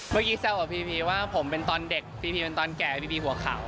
เมื่อกี้แซ่บกับพี่ว่าผมเป็นตอนเด็กพี่เป็นตอนแก่พี่หัวข่าว